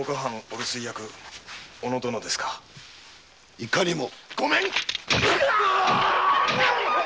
いかにも。